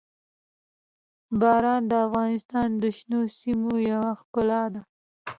باران د افغانستان د شنو سیمو یوه ښکلا ده.